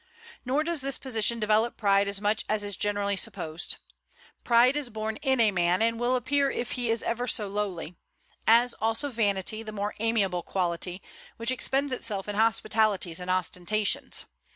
Nor does this position develop pride as much as is generally supposed. Pride is born in a man, and will appear if he is ever so lowly; as also vanity, the more amiable quality, which expends itself in hospitalities and ostentations.